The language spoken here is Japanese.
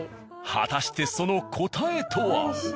果たしてその答えとは？